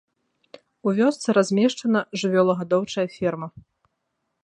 У вёсцы размешчана жывёлагадоўчая ферма.